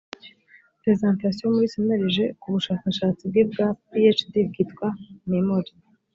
presentation muri cnlg ku bushakashatsi bwe bwa phd bwitwa memory